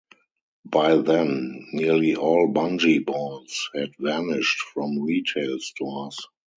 By then, nearly all Bungee Balls had vanished from retail stores.